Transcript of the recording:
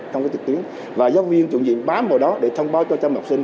thông báo kịch tiến và giáo viên trụ nhiệm bám vào đó để thông báo cho trang mạng học sinh